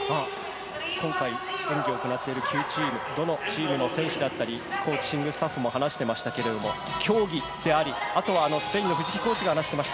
今回、演技を行っている９チーム、どのチームの選手だったり、コーチングスタッフも話していましたけれど、競技であり、スペインの藤木コーチが話していました。